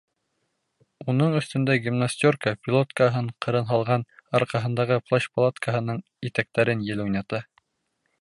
Уның өҫтөндә гимнастерка, пилоткаһын ҡырын һалған, арҡаһындағы плащ-палаткаһының итәктәрен ел уйната.